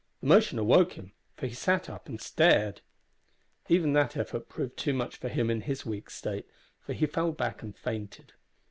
The motion awoke him, for he sat up and stared. Even that effort proved too much for him in his weak state, for he fell back and fainted.